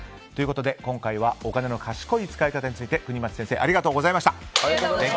今回はお金の賢い使い方について國松先生ありがとうございました。